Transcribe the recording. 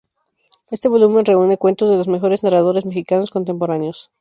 Este volumen reúne cuentos de los mejores narradores mexicanos contemporáneos.